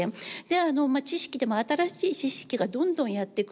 で知識でも新しい知識がどんどんやって来る。